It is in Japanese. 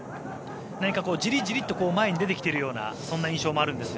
何かじりじりと前に出てきているようなそんな印象もあるんですが。